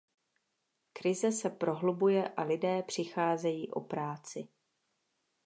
Krize se prohlubuje a lidé přicházejí o práci.